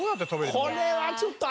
これはちょっと。